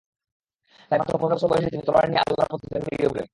তাই মাত্র পনের বৎসর বয়সে তিনি তলোয়ার নিয়ে আল্লাহর পথে জিহাদে বেরিয়ে পড়লেন।